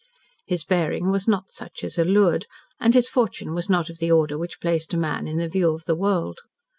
His bearing was not such as allured, and his fortune was not of the order which placed a man in the view of the world.